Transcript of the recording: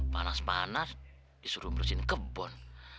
panas panas disuruh bersihin kebon